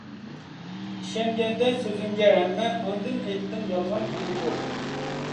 ئىشەنگەندە سۆزۈڭگە ھەممە، ئاندىن ئېيتقىن: يالغان كۈلدى ئۇ!